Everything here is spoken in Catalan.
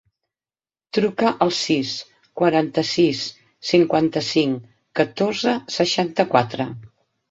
Truca al sis, quaranta-sis, cinquanta-cinc, catorze, seixanta-quatre.